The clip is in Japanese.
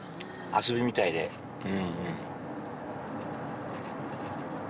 遊びみたいでうんうん